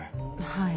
はい。